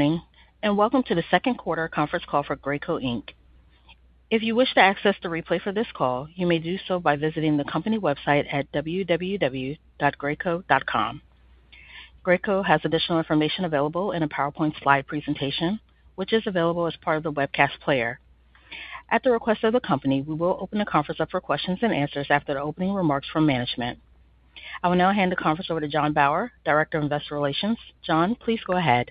Morning. Welcome to the second quarter conference call for Graco Inc. If you wish to access the replay for this call, you may do so by visiting the company website at www.graco.com. Graco has additional information available in a PowerPoint slide presentation, which is available as part of the webcast player. At the request of the company, we will open the conference up for questions and answers after the opening remarks from management. I will now hand the conference over to John Bower, Director of Investor Relations. John, please go ahead.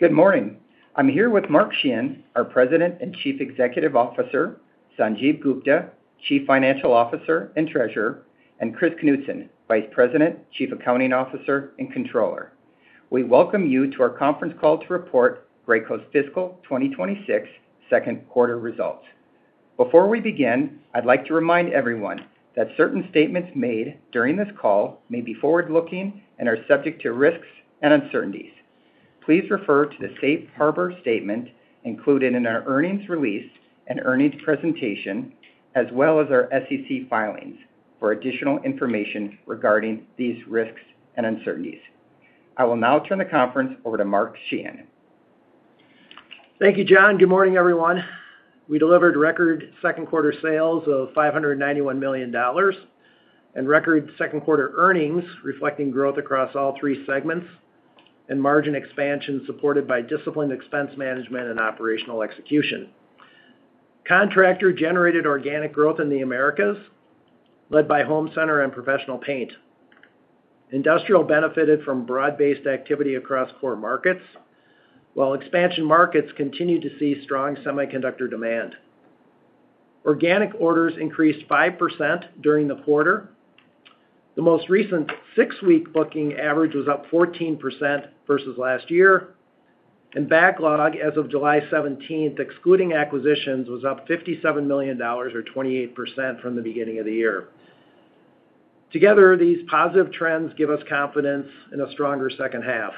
Good morning. I'm here with Mark Sheahan, our President and Chief Executive Officer, Sanjiv Gupta, Chief Financial Officer and Treasurer, and Chris Knutson, Vice President, Chief Accounting Officer and Controller. We welcome you to our conference call to report Graco's fiscal 2026 second quarter results. Before we begin, I'd like to remind everyone that certain statements made during this call may be forward-looking and are subject to risks and uncertainties. Please refer to the safe harbor statement included in our earnings release and earnings presentation, as well as our SEC filings for additional information regarding these risks and uncertainties. I will now turn the conference over to Mark Sheahan. Thank you, John. Good morning, everyone. We delivered record second quarter sales of $591 million and record second quarter earnings, reflecting growth across all three segments and margin expansion supported by disciplined expense management and operational execution. Contractor generated organic growth in the Americas, led by home center and professional paint. Industrial benefited from broad-based activity across core markets, while expansion markets continued to see strong semiconductor demand. Organic orders increased 5% during the quarter. The most recent six-week booking average was up 14% versus last year, and backlog as of July 17th, excluding acquisitions, was up $57 million, or 28% from the beginning of the year. Together, these positive trends give us confidence in a stronger second half.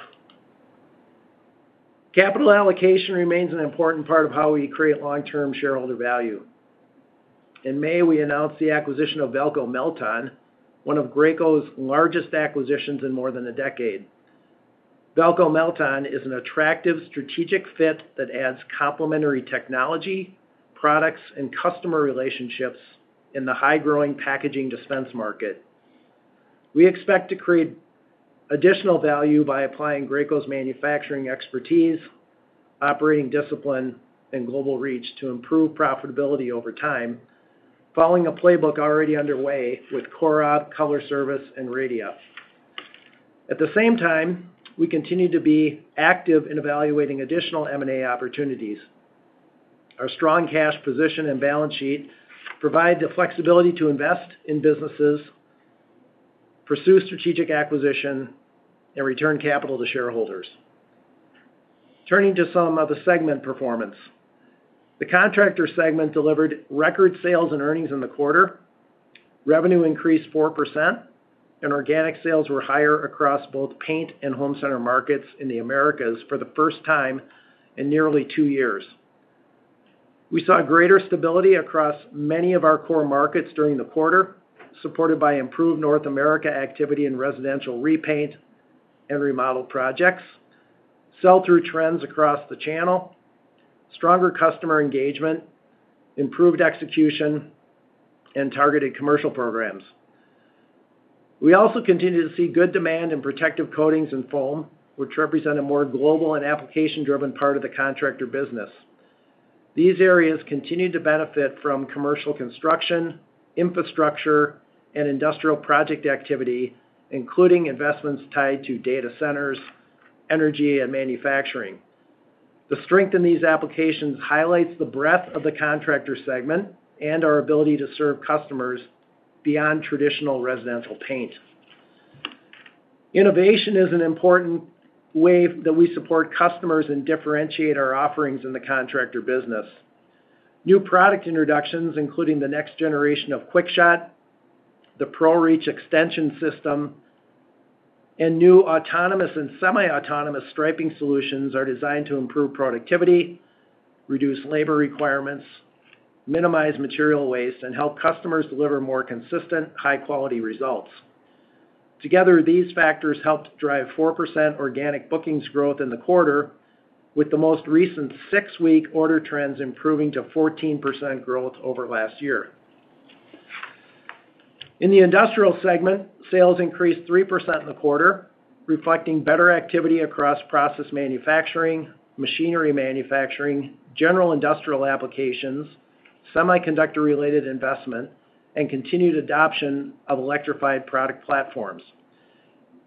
Capital allocation remains an important part of how we create long-term shareholder value. In May, we announced the acquisition of Valco Melton, one of Graco's largest acquisitions in more than a decade. Valco Melton is an attractive strategic fit that adds complementary technology, products, and customer relationships in the high-growing packaging dispense market. We expect to create additional value by applying Graco's manufacturing expertise, operating discipline, and global reach to improve profitability over time, following a playbook already underway with Corob, Color Service, and Radia. At the same time, we continue to be active in evaluating additional M&A opportunities. Our strong cash position and balance sheet provide the flexibility to invest in businesses, pursue strategic acquisition, and return capital to shareholders. Turning to some of the segment performance. The contractor segment delivered record sales and earnings in the quarter. Revenue increased 4%, and organic sales were higher across both paint and home center markets in the Americas for the first time in nearly two years. We saw greater stability across many of our core markets during the quarter, supported by improved North America activity in residential repaint and remodel projects, sell-through trends across the channel, stronger customer engagement, improved execution, and targeted commercial programs. We also continue to see good demand in protective coatings and foam, which represent a more global and application-driven part of the contractor business. These areas continue to benefit from commercial construction, infrastructure, and industrial project activity, including investments tied to data centers, energy, and manufacturing. The strength in these applications highlights the breadth of the contractor segment and our ability to serve customers beyond traditional residential paint. Innovation is an important way that we support customers and differentiate our offerings in the contractor business. New product introductions, including the next generation of QuickShot, the ProReach extension system, and new autonomous and semi-autonomous striping solutions are designed to improve productivity, reduce labor requirements, minimize material waste, and help customers deliver more consistent, high-quality results. Together, these factors helped drive 4% organic bookings growth in the quarter, with the most recent six-week order trends improving to 14% growth over last year. In the industrial segment, sales increased 3% in the quarter, reflecting better activity across process manufacturing, machinery manufacturing, general industrial applications, semiconductor-related investment, and continued adoption of electrified product platforms.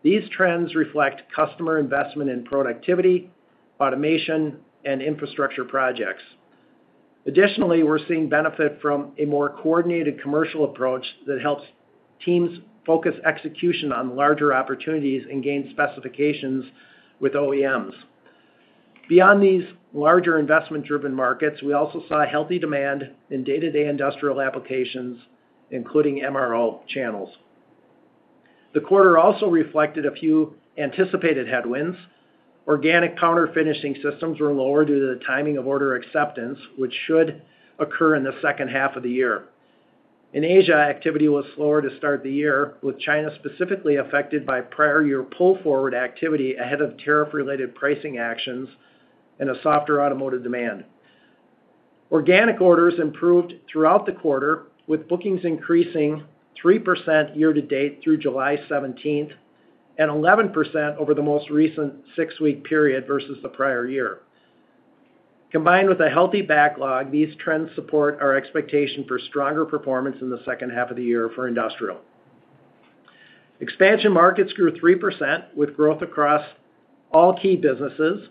These trends reflect customer investment in productivity, automation, and infrastructure projects. Additionally, we're seeing benefit from a more coordinated commercial approach that helps teams focus execution on larger opportunities and gain specifications with OEMs. Beyond these larger investment-driven markets, we also saw healthy demand in day-to-day industrial applications, including MRO channels. The quarter also reflected a few anticipated headwinds. Organic powder finishing systems were lower due to the timing of order acceptance, which should occur in the second half of the year. In Asia, activity was slower to start the year, with China specifically affected by prior year pull-forward activity ahead of tariff-related pricing actions and a softer automotive demand. Organic orders improved throughout the quarter, with bookings increasing 3% year to date through July 17th and 11% over the most recent six-week period versus the prior year. Combined with a healthy backlog, these trends support our expectation for stronger performance in the second half of the year for industrial. Expansion markets grew 3% with growth across all key businesses.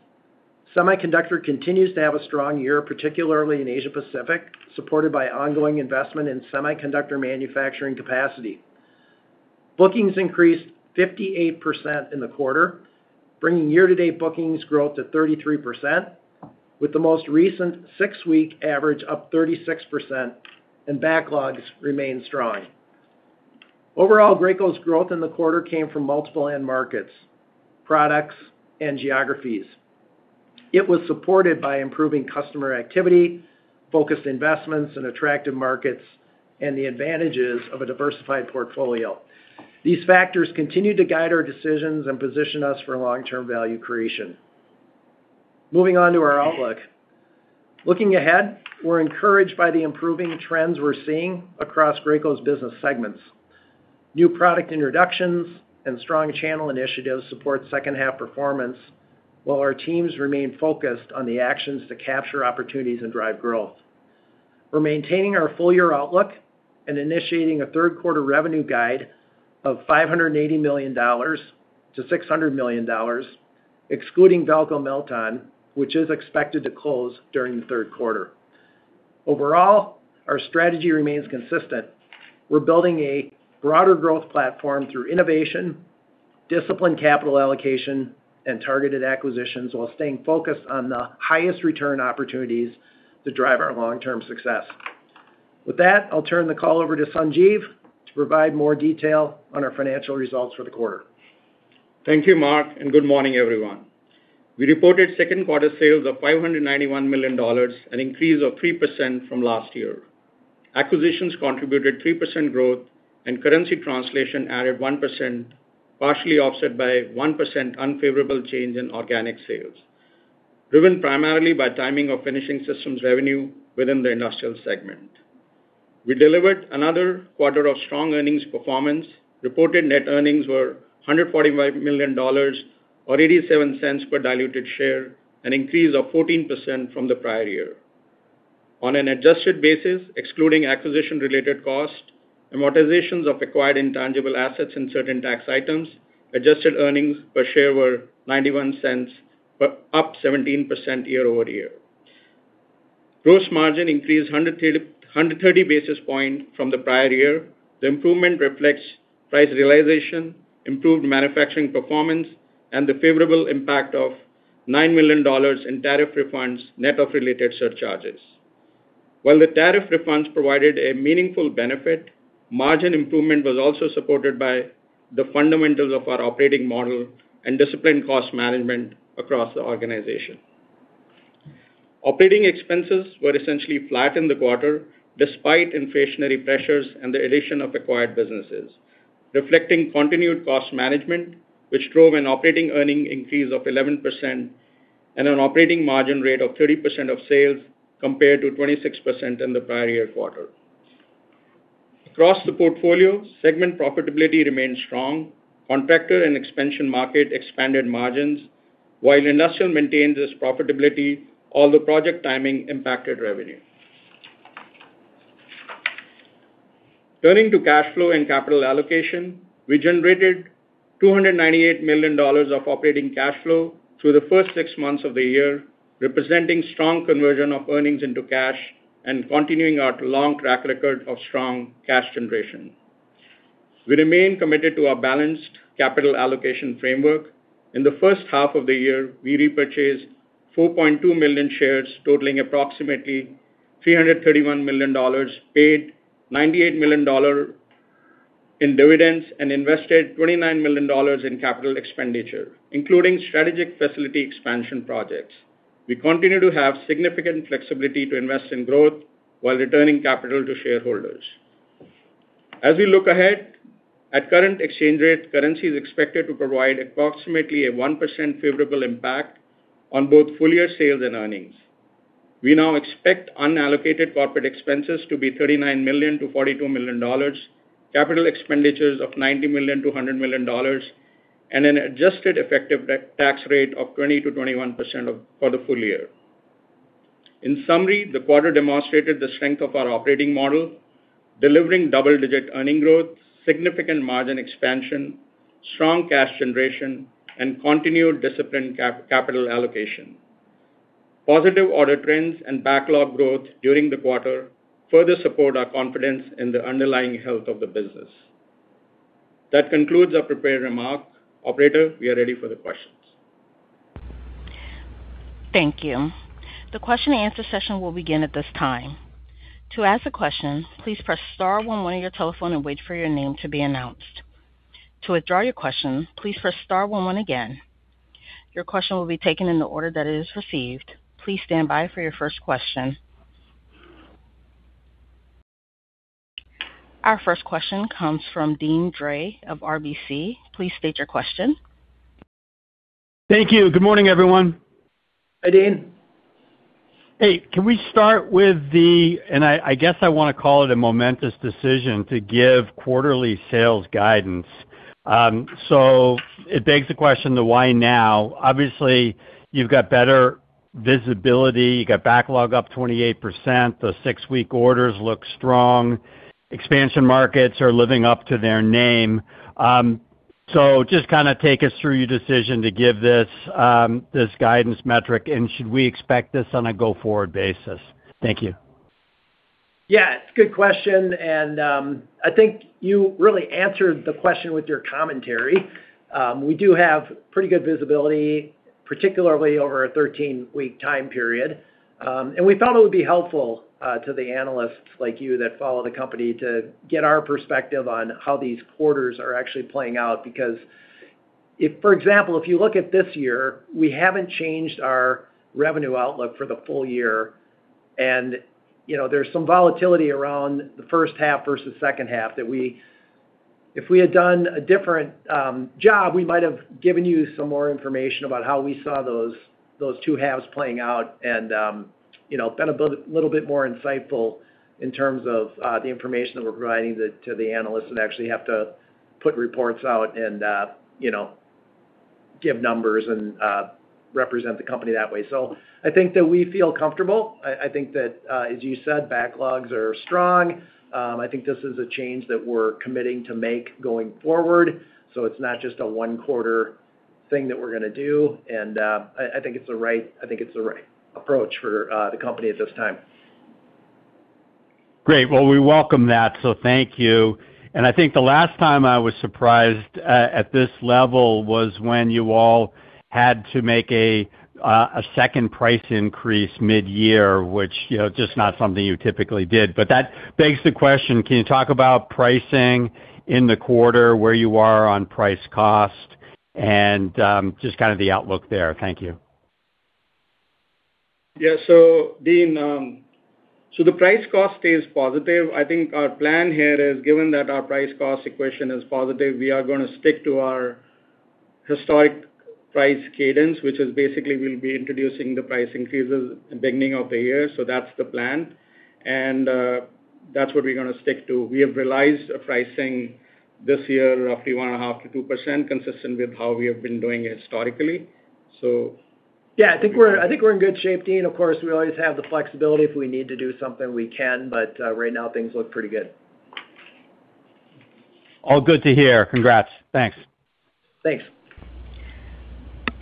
Semiconductor continues to have a strong year, particularly in Asia-Pacific, supported by ongoing investment in semiconductor manufacturing capacity. Bookings increased 58% in the quarter, bringing year-to-date bookings growth to 33%, with the most recent six-week average up 36%, and backlogs remain strong. Overall, Graco's growth in the quarter came from multiple end markets, products, and geographies. It was supported by improving customer activity, focused investments in attractive markets, and the advantages of a diversified portfolio. These factors continue to guide our decisions and position us for long-term value creation. Moving on to our outlook. Looking ahead, we're encouraged by the improving trends we're seeing across Graco's business segments. New product introductions and strong channel initiatives support second half performance, while our teams remain focused on the actions to capture opportunities and drive growth. We're maintaining our full year outlook and initiating a third quarter revenue guide of $580 million-$600 million, excluding Valco Melton, which is expected to close during the third quarter. Overall, our strategy remains consistent. We're building a broader growth platform through innovation, disciplined capital allocation, and targeted acquisitions while staying focused on the highest return opportunities to drive our long-term success. With that, I'll turn the call over to Sanjiv to provide more detail on our financial results for the quarter. Thank you, Mark, and good morning, everyone. We reported second quarter sales of $591 million, an increase of 3% from last year. Acquisitions contributed 3% growth and currency translation added 1%, partially offset by 1% unfavorable change in organic sales, driven primarily by timing of finishing systems revenue within the industrial segment. We delivered another quarter of strong earnings performance. Reported net earnings were $145 million, or $0.87 per diluted share, an increase of 14% from the prior year. On an adjusted basis, excluding acquisition-related costs, amortizations of acquired intangible assets and certain tax items, adjusted earnings per share were $0.91, up 17% year-over-year. Gross margin increased 130 basis points from the prior year. The improvement reflects price realization, improved manufacturing performance, and the favorable impact of $9 million in tariff refunds, net of related surcharges. While the tariff refunds provided a meaningful benefit, margin improvement was also supported by the fundamentals of our operating model and disciplined cost management across the organization. Operating expenses were essentially flat in the quarter, despite inflationary pressures and the addition of acquired businesses, reflecting continued cost management, which drove an operating earning increase of 11% and an operating margin rate of 30% of sales, compared to 26% in the prior year quarter. Across the portfolio, segment profitability remained strong. Contractor and Industrial market expanded margins, while Industrial maintained its profitability, although project timing impacted revenue. Turning to cash flow and capital allocation, we generated $298 million of operating cash flow through the first six months of the year, representing strong conversion of earnings into cash and continuing our long track record of strong cash generation. We remain committed to our balanced capital allocation framework. In the first half of the year, we repurchased 4.2 million shares totaling approximately $331 million, paid $98 million in dividends, and invested $29 million in capital expenditure, including strategic facility expansion projects. We continue to have significant flexibility to invest in growth while returning capital to shareholders. As we look ahead, at current exchange rates, currency is expected to provide approximately a 1% favorable impact on both full-year sales and earnings. We now expect unallocated corporate expenses to be $39 million-$42 million, capital expenditures of $90 million-$100 million, and an adjusted effective tax rate of 20%-21% for the full year. In summary, the quarter demonstrated the strength of our operating model, delivering double-digit earning growth, significant margin expansion, strong cash generation, and continued disciplined capital allocation. Positive order trends and backlog growth during the quarter further support our confidence in the underlying health of the business. That concludes our prepared remarks. Operator, we are ready for the questions. Thank you. The question and answer session will begin at this time. To ask a question, please press star one on your telephone and wait for your name to be announced. To withdraw your question, please press star one again. Your question will be taken in the order that it is received. Please stand by for your first question. Our first question comes from Deane Dray of RBC. Please state your question. Thank you. Good morning, everyone. Hi, Deane. Hey, can we start with the, and I guess I want to call it a momentous decision to give quarterly sales guidance. It begs the question to why now? Obviously, you've got better visibility. You got backlog up 28%. The six-week orders look strong. Expansion markets are living up to their name. Just kind of take us through your decision to give this guidance metric, and should we expect this on a go-forward basis? Thank you. Yeah, it's a good question, and I think you really answered the question with your commentary. We do have pretty good visibility, particularly over a 13-week time period. We thought it would be helpful to the analysts like you that follow the company to get our perspective on how these quarters are actually playing out. Because, for example, if you look at this year, we haven't changed our revenue outlook for the full year, and there's some volatility around the first half versus second half that if we had done a different job, we might have given you some more information about how we saw those two halves playing out and been a little bit more insightful in terms of the information that we're providing to the analysts that actually have to put reports out and give numbers and represent the company that way. I think that we feel comfortable. I think that, as you said, backlogs are strong. I think this is a change that we're committing to make going forward. It's not just a one quarter thing that we're going to do, and I think it's the right approach for the company at this time. Great. Well, we welcome that, so thank you. I think the last time I was surprised at this level was when you all had to make a second price increase mid-year, which just not something you typically did. That begs the question, can you talk about pricing in the quarter, where you are on price cost, and just kind of the outlook there? Thank you. Yeah. Deane, the price cost stays positive. I think our plan here is, given that our price cost equation is positive, we are going to stick to our historic price cadence, which is basically we'll be introducing the price increases at the beginning of the year. That's the plan, and that's what we're going to stick to. We have realized pricing this year roughly 1.5% to 2%, consistent with how we have been doing historically. Yeah, I think we're in good shape, Deane. Of course, we always have the flexibility if we need to do something, we can, but right now things look pretty good. All good to hear. Congrats. Thanks. Thanks.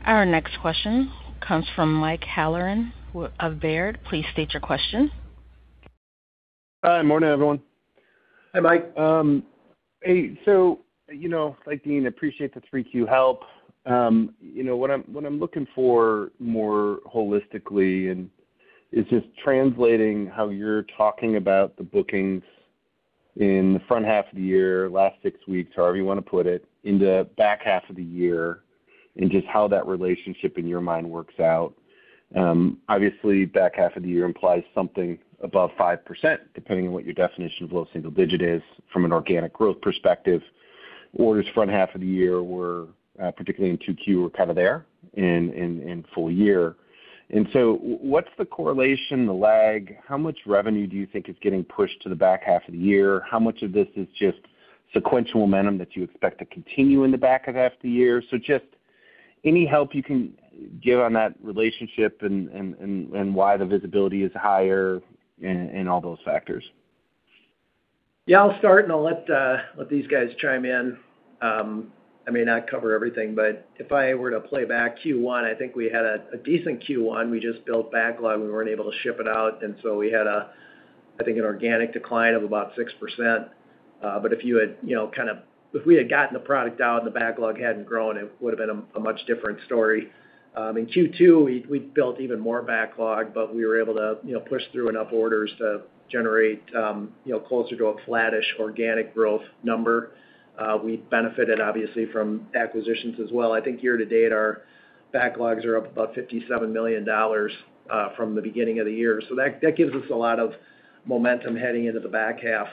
Our next question comes from Mike Halloran of Baird. Please state your question. Hi, morning everyone. Hi, Mike. Hey. Like Deane, appreciate the 3Q help. What I'm looking for more holistically and it's just translating how you're talking about the bookings in the front half of the year, last six weeks, however you want to put it, in the back half of the year, and just how that relationship in your mind works out. Obviously, back half of the year implies something above 5%, depending on what your definition of low single digit is from an organic growth perspective. Orders front half of the year were, particularly in 2Q, were kind of there in full year. What's the correlation, the lag? How much revenue do you think is getting pushed to the back half of the year? How much of this is just sequential momentum that you expect to continue in the back of half the year? Just any help you can give on that relationship and why the visibility is higher and all those factors. Yeah, I'll start. I'll let these guys chime in. I may not cover everything. If I were to play back Q1, I think we had a decent Q1. We just built backlog. We weren't able to ship it out. We had, I think, an organic decline of about 6%. If we had gotten the product out and the backlog hadn't grown, it would've been a much different story. In Q2, we built even more backlog. We were able to push through enough orders to generate closer to a flattish organic growth number. We benefited obviously from acquisitions as well. I think year to date, our backlogs are up about $57 million from the beginning of the year. That gives us a lot of momentum heading into the back half.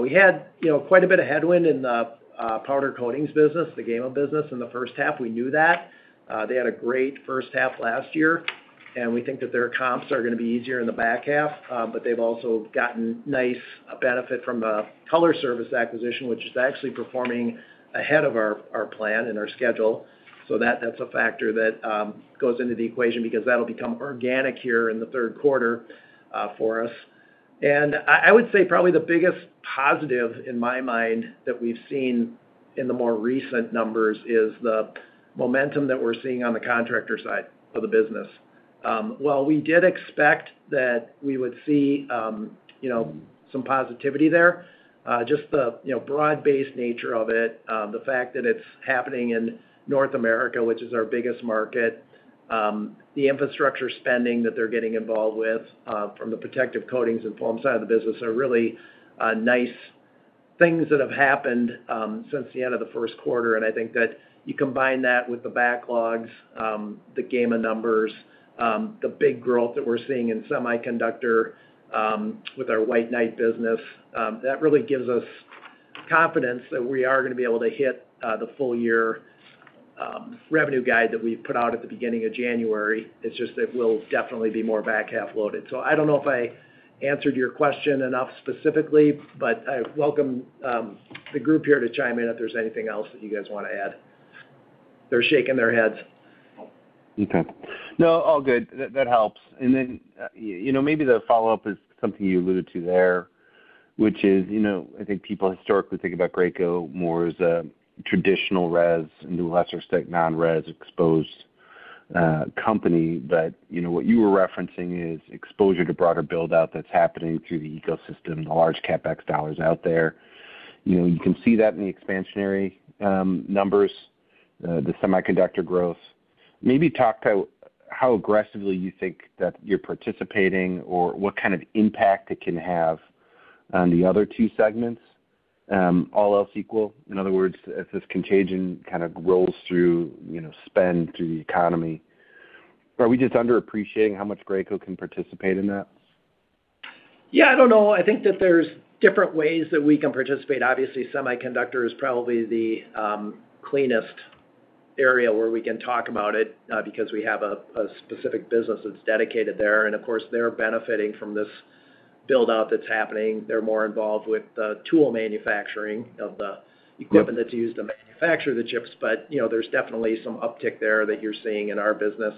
We had quite a bit of headwind in the powder coatings business, the Gema business in the first half. We knew that. They had a great first half last year. We think that their comps are going to be easier in the back half. They've also gotten nice benefit from the Color Service acquisition, which is actually performing ahead of our plan and our schedule. That's a factor that goes into the equation because that'll become organic here in the third quarter for us. I would say probably the biggest positive in my mind that we've seen in the more recent numbers is the momentum that we're seeing on the contractor side of the business. While we did expect that we would see some positivity there, just the broad-based nature of it, the fact that it's happening in North America, which is our biggest market, the infrastructure spending that they're getting involved with from the protective coatings and foam side of the business are really a nice Things that have happened since the end of the first quarter. I think that you combine that with the backlogs, the Gema numbers, the big growth that we're seeing in semiconductor with our White Knight business, that really gives us confidence that we are going to be able to hit the full year revenue guide that we put out at the beginning of January. It's just that we'll definitely be more back-half loaded. I don't know if I answered your question enough specifically, but I welcome the group here to chime in if there's anything else that you guys want to add. They're shaking their heads. Okay. No, all good. That helps. Maybe the follow-up is something you alluded to there, which is, I think people historically think about Graco more as a traditional res, new lesser stake non-res exposed company. What you were referencing is exposure to broader build-out that's happening through the ecosystem, the large CapEx dollars out there. You can see that in the expansionary numbers, the semiconductor growth. Maybe talk to how aggressively you think that you're participating or what kind of impact it can have on the other two segments, all else equal. In other words, as this contagion kind of rolls through spend through the economy, are we just underappreciating how much Graco can participate in that? Yeah, I don't know. I think that there's different ways that we can participate. Obviously, semiconductor is probably the cleanest area where we can talk about it because we have a specific business that's dedicated there, and of course, they're benefiting from this build-out that's happening. They're more involved with the tool manufacturing of the equipment that's used to manufacture the chips. There's definitely some uptick there that you're seeing in our business.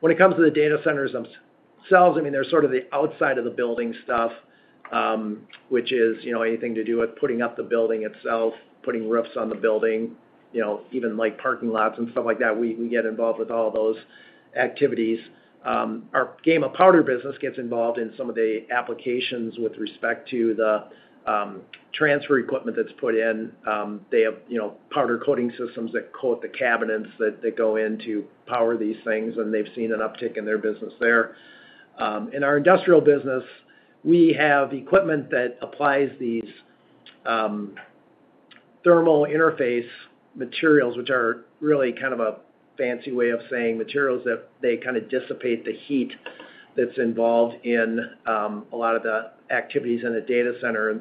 When it comes to the data centers themselves, they're sort of the outside of the building stuff, which is anything to do with putting up the building itself, putting roofs on the building, even parking lots and stuff like that. We get involved with all those activities. Our Gema powder business gets involved in some of the applications with respect to the transfer equipment that's put in. They have powder coating systems that coat the cabinets that go in to power these things, and they've seen an uptick in their business there. In our industrial business, we have equipment that applies these thermal interface materials, which are really kind of a fancy way of saying materials that they kind of dissipate the heat that's involved in a lot of the activities in a data center.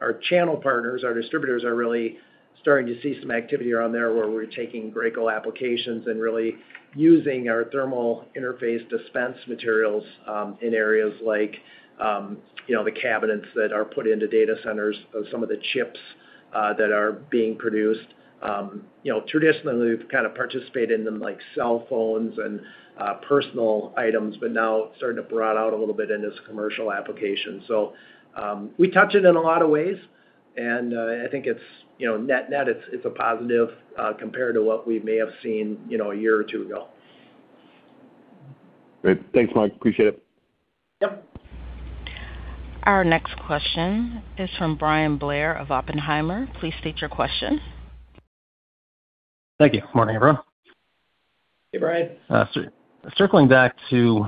Our channel partners, our distributors are really starting to see some activity around there where we're taking Graco applications and really using our thermal interface dispense materials in areas like the cabinets that are put into data centers of some of the chips that are being produced. Traditionally, we've kind of participated in them, like cell phones and personal items, now starting to broad out a little bit into commercial applications. We touch it in a lot of ways, and I think net, it's a positive compared to what we may have seen a year or two ago. Great. Thanks, Mark. Appreciate it. Yep. Our next question is from Bryan Blair of Oppenheimer. Please state your question. Thank you. Morning, everyone. Hey, Bryan. Circling back to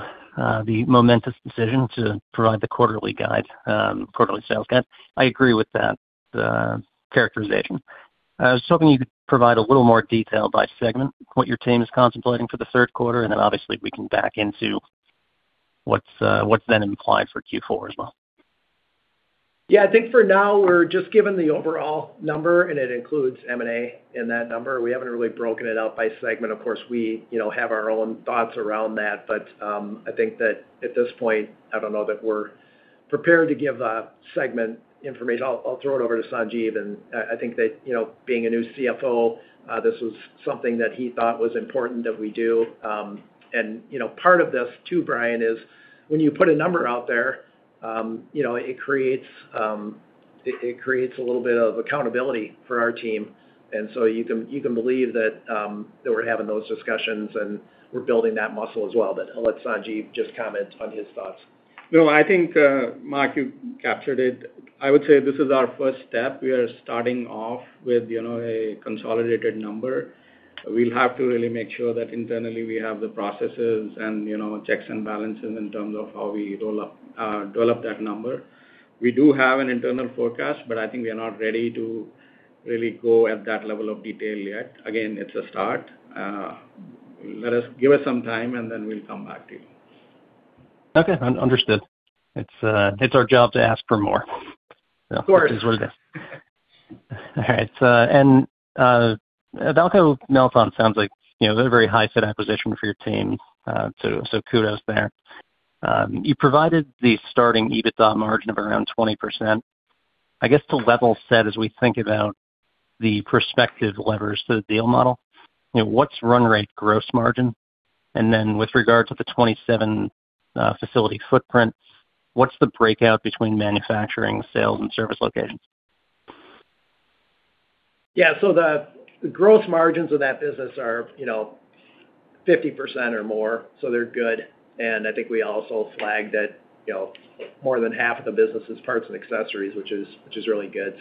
the momentous decision to provide the quarterly guide, quarterly sales guide. I agree with that characterization. I was hoping you could provide a little more detail by segment what your team is contemplating for the third quarter, and then obviously we can back into what's then implied for Q4 as well. Yeah, I think for now we're just given the overall number, and it includes M&A in that number. We haven't really broken it out by segment. Of course, we have our own thoughts around that. I think that at this point, I don't know that we're prepared to give segment information. I'll throw it over to Sanjiv, and I think that being a new CFO, this was something that he thought was important that we do. Part of this too, Bryan, is when you put a number out there, it creates a little bit of accountability for our team. You can believe that we're having those discussions, and we're building that muscle as well. I'll let Sanjiv just comment on his thoughts. No, I think, Mark, you captured it. I would say this is our first step. We are starting off with a consolidated number. We'll have to really make sure that internally we have the processes and checks and balances in terms of how we develop that number. We do have an internal forecast, but I think we are not ready to really go at that level of detail yet. Again, it's a start. Give us some time, and then we'll come back to you. Okay, understood. It's our job to ask for more. Of course. Which is what it is. All right. Valco Melton sounds like they're a very high fit acquisition for your team too, so kudos there. You provided the starting EBITDA margin of around 20%. I guess to level set as we think about the prospective levers to the deal model, what's run rate gross margin? Then with regard to the 27 facility footprints, what's the breakout between manufacturing, sales, and service locations? Yeah. The gross margins of that business are 50% or more, they're good. I think we also flagged that more than half of the business is parts and accessories, which is really good.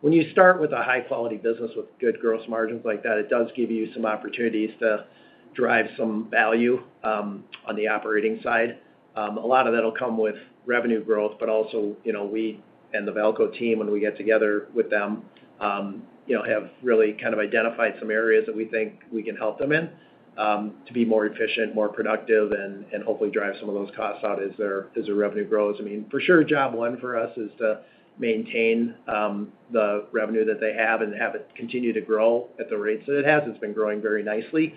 When you start with a high-quality business with good gross margins like that, it does give you some opportunities to drive some value on the operating side. A lot of that'll come with revenue growth, but also, we and the Valco team, when we get together with them, have really identified some areas that we think we can help them in to be more efficient, more productive, and hopefully drive some of those costs out as their revenue grows. For sure, job one for us is to maintain the revenue that they have and have it continue to grow at the rates that it has. It's been growing very nicely.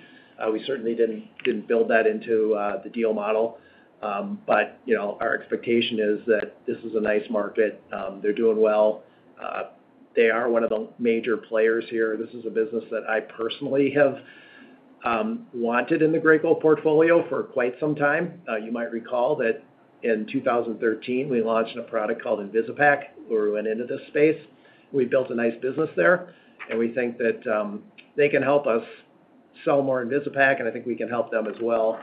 We certainly didn't build that into the deal model. Our expectation is that this is a nice market. They're doing well. They are one of the major players here. This is a business that I personally have wanted in the Graco portfolio for quite some time. You might recall that in 2013, we launched a product called InvisiPac, where we went into this space. We built a nice business there, we think that they can help us sell more InvisiPac, I think we can help them as well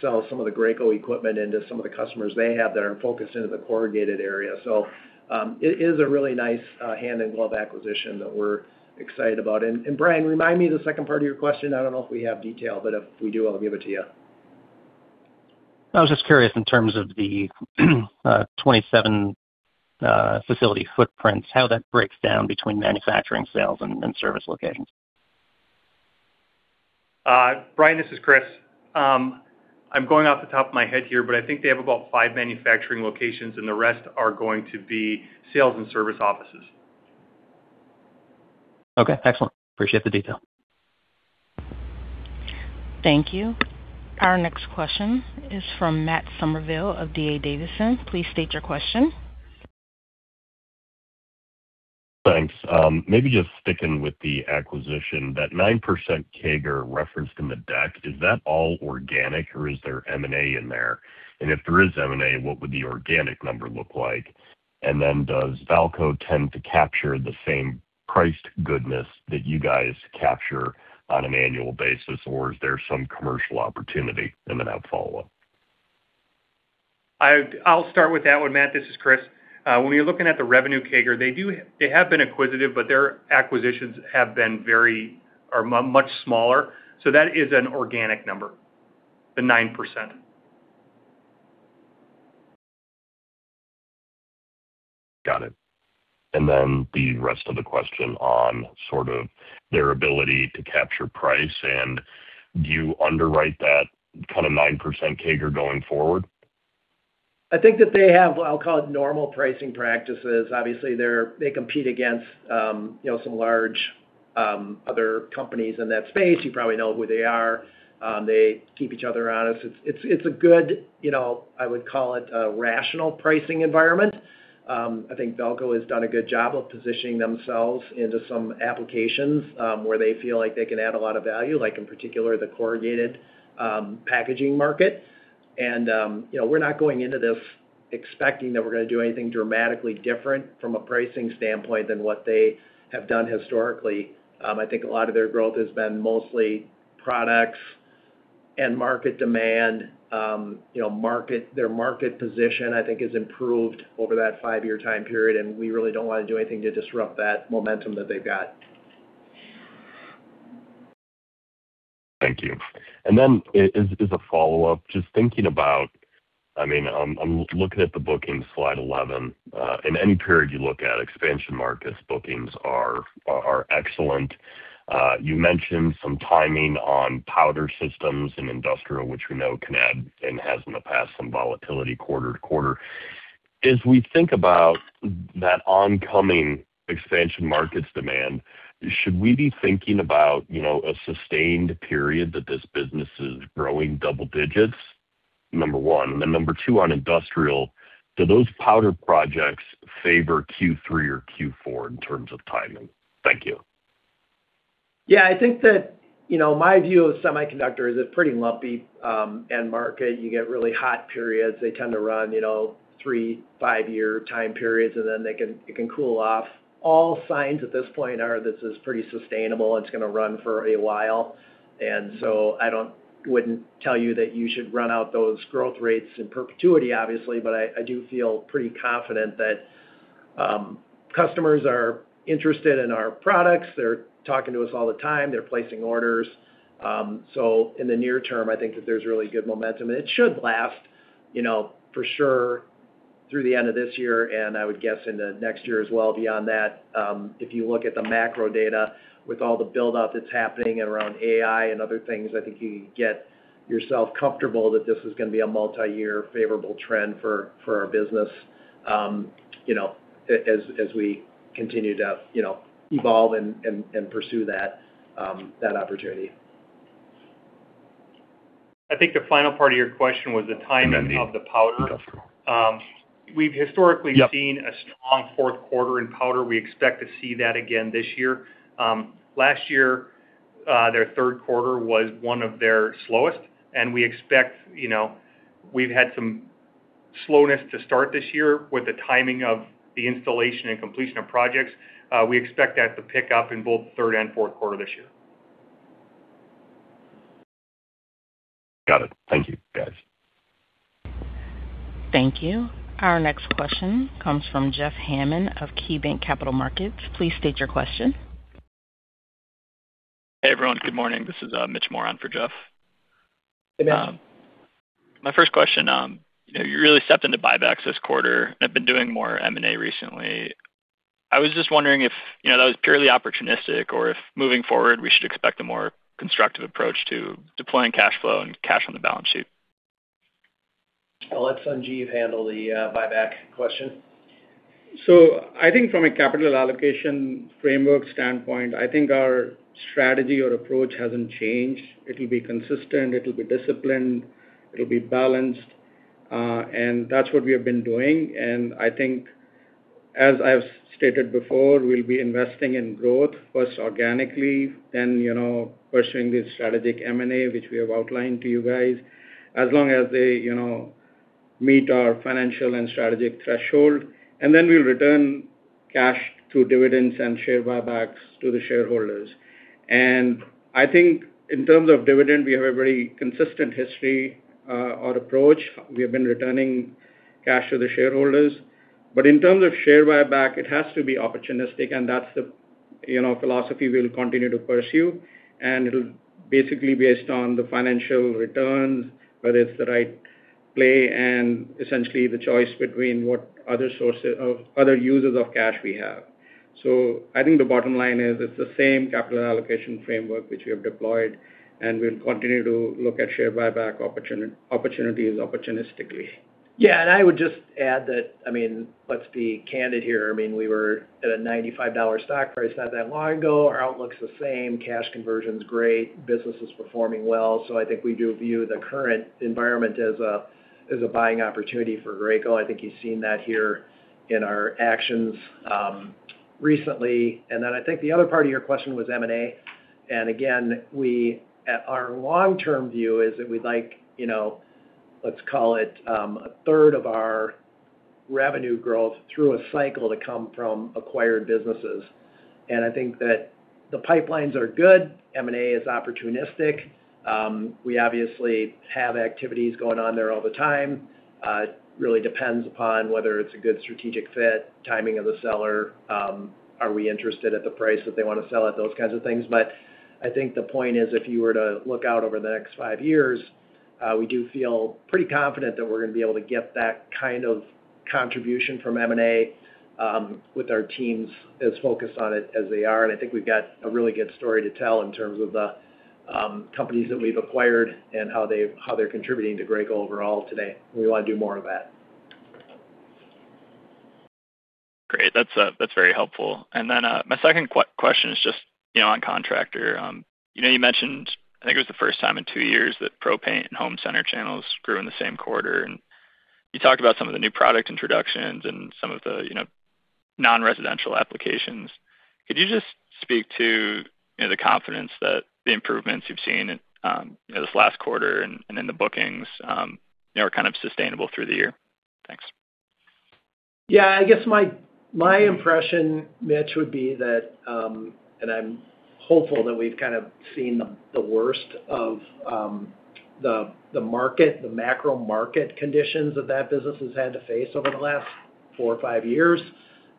sell some of the Graco equipment into some of the customers they have that are focused into the corrugated area. It is a really nice hand-in-glove acquisition that we're excited about. Bryan, remind me of the second part of your question. I don't know if we have detail, but if we do, I'll give it to you. I was just curious in terms of the 27 facility footprints, how that breaks down between manufacturing sales and service locations. Bryan, this is Chris. I'm going off the top of my head here, but I think they have about five manufacturing locations, and the rest are going to be sales and service offices. Okay, excellent. Appreciate the detail. Thank you. Our next question is from Matt Summerville of D.A. Davidson. Please state your question. Thanks. Maybe just sticking with the acquisition, that 9% CAGR referenced in the deck, is that all organic, or is there M&A in there? If there is M&A, what would the organic number look like? Does Valco tend to capture the same priced goodness that you guys capture on an annual basis, or is there some commercial opportunity? I have a follow-up. I'll start with that one, Matt. This is Chris. When you're looking at the revenue CAGR, they have been acquisitive, but their acquisitions are much smaller. That is an organic number, the 9%. Got it. The rest of the question on sort of their ability to capture price, do you underwrite that kind of 9% CAGR going forward? I think that they have, I'll call it, normal pricing practices. Obviously, they compete against some large other companies in that space. You probably know who they are. They keep each other honest. It's a good, I would call it, a rational pricing environment. I think Valco has done a good job of positioning themselves into some applications where they feel like they can add a lot of value, like in particular, the corrugated packaging market. We're not going into this expecting that we're going to do anything dramatically different from a pricing standpoint than what they have done historically. I think a lot of their growth has been mostly products and market demand. Their market position, I think, has improved over that five-year time period, we really don't want to do anything to disrupt that momentum that they've got. Thank you. As a follow-up, just thinking about, I'm looking at the bookings, slide 11. In any period you look at, expansion markets bookings are excellent. You mentioned some timing on powder systems in industrial, which we know can add, and has in the past, some volatility quarter to quarter. As we think about that oncoming expansion markets demand, should we be thinking about a sustained period that this business is growing double digits, number one? Number two, on industrial, do those powder projects favor Q3 or Q4 in terms of timing? Thank you. Yeah, I think that my view of semiconductor is a pretty lumpy end market. You get really hot periods. They tend to run three, five-year time periods, then it can cool off. All signs at this point are this is pretty sustainable, it's going to run for a while. I wouldn't tell you that you should run out those growth rates in perpetuity, obviously, but I do feel pretty confident that customers are interested in our products. They're talking to us all the time. They're placing orders. In the near term, I think that there's really good momentum, and it should last for sure through the end of this year and I would guess into next year as well beyond that. If you look at the macro data with all the buildup that's happening around AI and other things, I think you can get yourself comfortable that this is going to be a multi-year favorable trend for our business as we continue to evolve and pursue that opportunity. I think the final part of your question was the timing of the powder. Industrial. We've historically seen Yep A strong fourth quarter in powder. We expect to see that again this year. Last year, their third quarter was one of their slowest, and we've had some slowness to start this year with the timing of the installation and completion of projects. We expect that to pick up in both third and fourth quarter this year. Got it. Thank you, guys. Thank you. Our next question comes from Jeff Hammond of KeyBanc Capital Markets. Please state your question. Hey, everyone. Good morning. This is Mitch Moran for Jeff. Good day. My first question, you really stepped into buybacks this quarter and have been doing more M&A recently. I was just wondering if that was purely opportunistic or if moving forward, we should expect a more constructive approach to deploying cash flow and cash on the balance sheet. I'll let Sanjiv handle the buyback question. I think from a capital allocation framework standpoint, I think our strategy or approach hasn't changed. It'll be consistent, it'll be disciplined, it'll be balanced. That's what we have been doing. I think as I've stated before, we'll be investing in growth first organically, then pursuing the strategic M&A, which we have outlined to you guys as long as they meet our financial and strategic threshold. Then we'll return cash through dividends and share buybacks to the shareholders. I think in terms of dividend, we have a very consistent history, our approach. We have been returning cash to the shareholders. In terms of share buyback, it has to be opportunistic, and that's the philosophy we'll continue to pursue. It'll basically based on the financial returns, whether it's the right play, and essentially the choice between what other uses of cash we have. I think the bottom line is it's the same capital allocation framework which we have deployed, and we'll continue to look at share buyback opportunities opportunistically. Yeah. I would just add that, let's be candid here. We were at a $95 stock price not that long ago. Our outlook's the same, cash conversion's great, business is performing well. I think we do view the current environment as a buying opportunity for Graco. I think you've seen that here in our actions recently. I think the other part of your question was M&A. Again, our long-term view is that we'd like, let's call it, a third of our revenue growth through a cycle to come from acquired businesses. I think that the pipelines are good. M&A is opportunistic. We obviously have activities going on there all the time. Really depends upon whether it's a good strategic fit, timing of the seller, are we interested at the price that they want to sell at, those kinds of things. I think the point is, if you were to look out over the next five years, we do feel pretty confident that we're gonna be able to get that kind of contribution from M&A, with our teams as focused on it as they are. I think we've got a really good story to tell in terms of the companies that we've acquired and how they're contributing to Graco overall today. We want to do more of that. Great. That's very helpful. My second question is just on Contractor. You mentioned, I think it was the first time in two years that pro paint and home center channels grew in the same quarter, and you talked about some of the new product introductions and some of the non-residential applications. Could you just speak to the confidence that the improvements you've seen in this last quarter and in the bookings are kind of sustainable through the year? Thanks. I guess my impression, Mitch, would be that, I'm hopeful that we've kind of seen the worst of the market, the macro market conditions that that business has had to face over the last four or five years.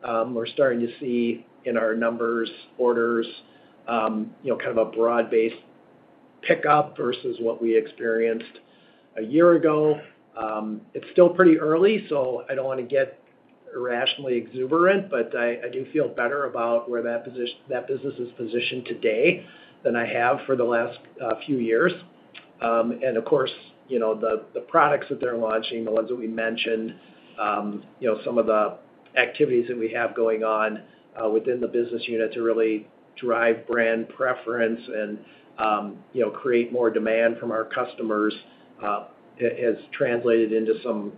We're starting to see in our numbers, orders, kind of a broad-based pickup versus what we experienced a year ago. It's still pretty early, I don't want to get irrationally exuberant, I do feel better about where that business is positioned today than I have for the last few years. Of course, the products that they're launching, the ones that we mentioned, some of the activities that we have going on within the business unit to really drive brand preference and create more demand from our customers, has translated into some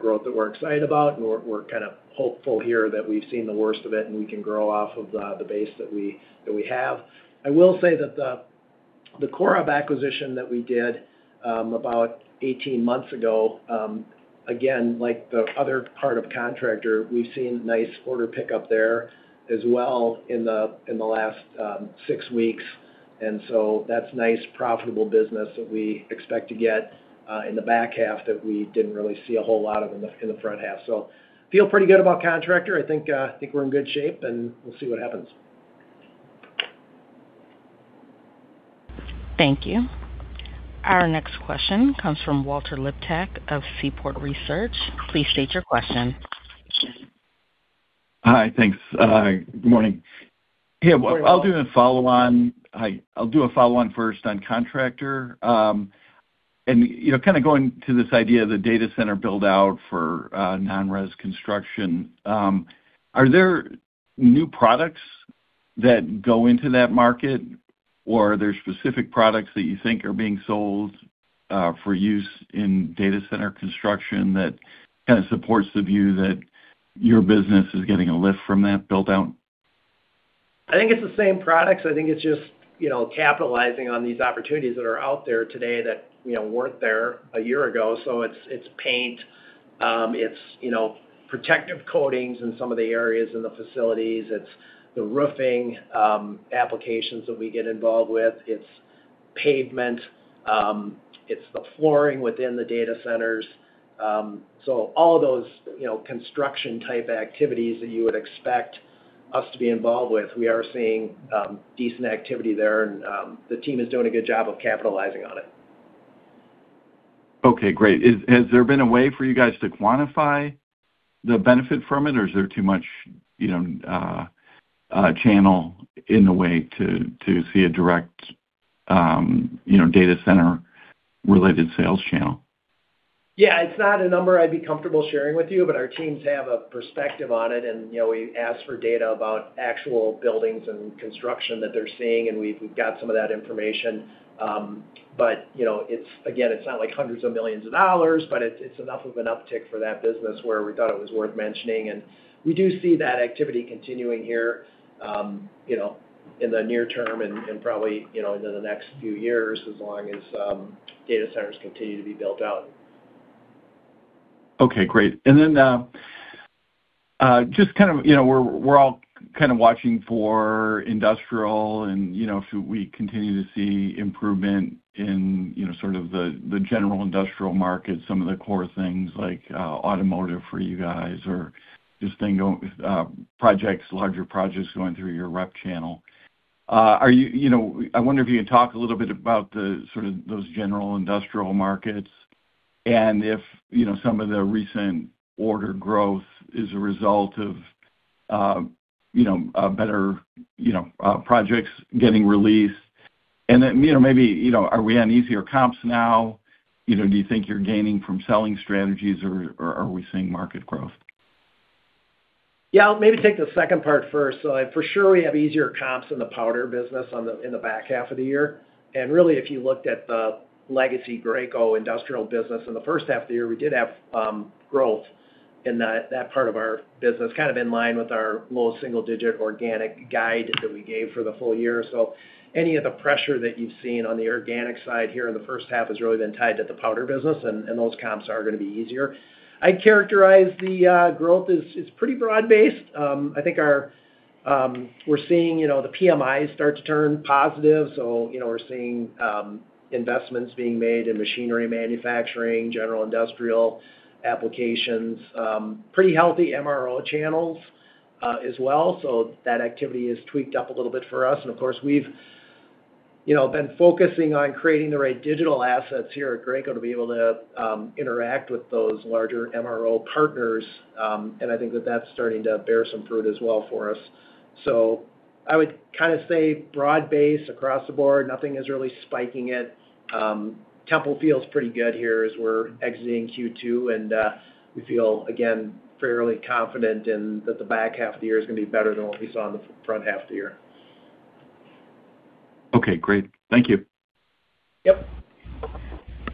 growth that we're excited about. We're kind of hopeful here that we've seen the worst of it, and we can grow off of the base that we have. I will say that the Corob acquisition that we did about 18 months ago, again, like the other part of Contractor, we've seen nice order pickup there as well in the last six weeks. That's nice profitable business that we expect to get in the back half that we didn't really see a whole lot of in the front half. Feel pretty good about Contractor. I think we're in good shape, and we'll see what happens. Thank you. Our next question comes from Walter Liptak of Seaport Research. Please state your question. Hi. Thanks. Good morning. Good morning, Walter. I'll do a follow-on. Hi. I'll do a follow-on first on Contractor. Kind of going to this idea of the data center build-out for non-res construction, are there new products that go into that market, or are there specific products that you think are being sold for use in data center construction that kind of supports the view that your business is getting a lift from that build-out? I think it's the same products. I think it's just capitalizing on these opportunities that are out there today that weren't there a year ago. It's paint, it's protective coatings in some of the areas in the facilities. It's the roofing applications that we get involved with. It's pavement, it's the flooring within the data centers. All of those construction-type activities that you would expect us to be involved with, we are seeing decent activity there, and the team is doing a good job of capitalizing on it. Okay, great. Has there been a way for you guys to quantify the benefit from it, or is there too much channel in the way to see a direct data center related sales channel? Yeah. It's not a number I'd be comfortable sharing with you, but our teams have a perspective on it, and we ask for data about actual buildings and construction that they're seeing, and we've got some of that information. Again, it's not hundreds of millions of dollars, but it's enough of an uptick for that business where we thought it was worth mentioning. We do see that activity continuing here, in the near term and probably into the next few years, as long as data centers continue to be built out. Okay, great. We're all kind of watching for industrial and if we continue to see improvement in sort of the general industrial market, some of the core things like automotive for you guys, or just larger projects going through your rep channel. I wonder if you could talk a little bit about the sort of those general industrial markets and if some of the recent order growth is a result of better projects getting released. Maybe, are we on easier comps now? Do you think you're gaining from selling strategies, or are we seeing market growth? Yeah, I'll maybe take the second part first. For sure we have easier comps in the powder business in the back half of the year. Really, if you looked at the legacy Graco industrial business in the first half of the year, we did have growth in that part of our business, kind of in line with our low single-digit organic guide that we gave for the full year. Any of the pressure that you've seen on the organic side here in the first half has really been tied to the powder business, and those comps are going to be easier. I'd characterize the growth as pretty broad-based. I think we're seeing the PMIs start to turn positive. We're seeing investments being made in machinery manufacturing, general industrial applications. Pretty healthy MRO channels as well. That activity has tweaked up a little bit for us. Of course, we've been focusing on creating the right digital assets here at Graco to be able to interact with those larger MRO partners. I think that that's starting to bear some fruit as well for us. I would kind of say broad-based across the board. Nothing is really spiking it. Tempo feels pretty good here as we're exiting Q2, and we feel, again, fairly confident in that the back half of the year is going to be better than what we saw in the front half of the year. Okay, great. Thank you. Yep.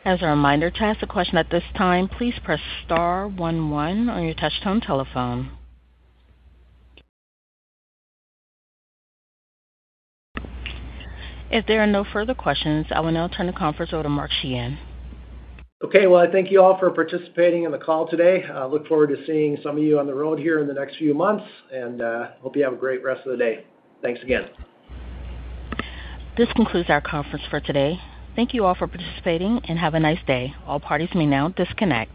As a reminder, to ask a question at this time, please press star one one on your touchtone telephone. If there are no further questions, I will now turn the conference over to Mark Sheahan. Okay. I thank you all for participating in the call today. I look forward to seeing some of you on the road here in the next few months, and hope you have a great rest of the day. Thanks again. This concludes our conference for today. Thank you all for participating, and have a nice day. All parties may now disconnect.